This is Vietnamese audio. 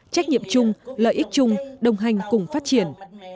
trách nhiệm chung lợi ích chung đồng hành cùng phát triển